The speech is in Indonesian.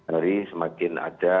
seri semakin ada